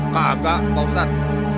kagak pak ustad